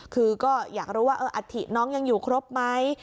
คือก็อยากรู้ว่าอัฐิน้องยังอยู่ครบไหม